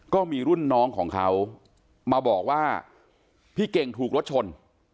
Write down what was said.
ก็มีรุ่นน้องของเขามาบอกว่าพี่เก่งถูกรถชน